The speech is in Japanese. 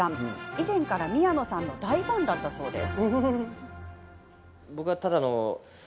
以前から宮野さんの大ファンだったそうです。